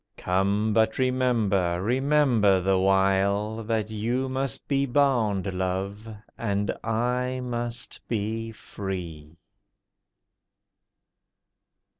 Come! but remember, remember the while, That you must be bound, Love, and I must be free.